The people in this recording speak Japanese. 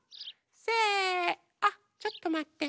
せあっちょっとまって。